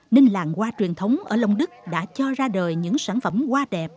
nên làng hoa truyền thống ở long đức đã cho ra đời những sản phẩm hoa đẹp